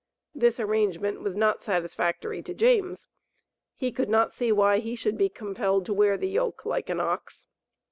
This arrangement was not satisfactory to James. He could not see why he should be compelled to wear the yoke like an ox.